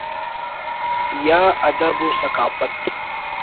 یا ادب و ثقافت